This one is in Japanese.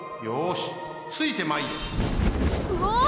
よしついてまいれ！